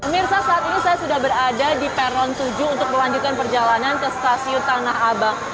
mirsa saat ini saya sudah berada di peron tujuh untuk melanjutkan perjalanan ke stasiun tanah abang